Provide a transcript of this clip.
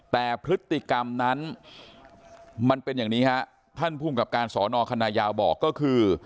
แต่พฤติกรรมนั้นมันเป็นอย่างนี้ฮะท่านภูมิกับการสอนอคณะยาวบอกก็คือ